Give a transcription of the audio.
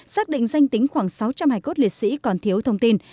xác định danh tính khoảng sáu trăm linh hải cốt liệt sĩ còn thiếu thông tin